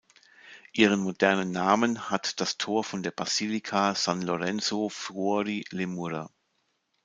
Ihren modernen Namen hat das Tor von der Basilika San Lorenzo fuori le mura.